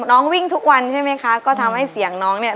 น้องวิ่งทุกวันใช่ไหมคะ